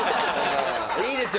いいですよ。